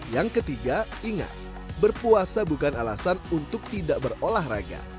yang ketiga ingat berpuasa bukan alasan untuk tidak berolahraga